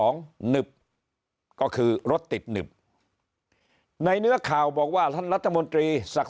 หนึบก็คือรถติดหนึบในเนื้อข่าวบอกว่าท่านรัฐมนตรีศักดิ์